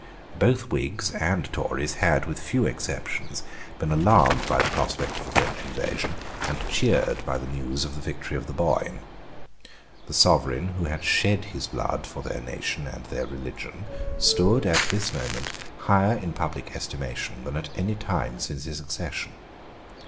Both Whigs and Tories had, with few exceptions, been alarmed by the prospect of a French invasion and cheered by the news of the victory of the Boyne. The Sovereign who had shed his blood for their nation and their religion stood at this moment higher in public estimation than at any time since his accession.